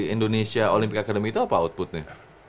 indonesia olympic academy itu apa outputnya